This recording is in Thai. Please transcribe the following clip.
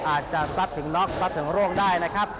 อาจจะซัดถึงน็อกซัดถึงร่วงได้นะครับ